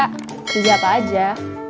kerja apa aja